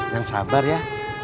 yang sabar ya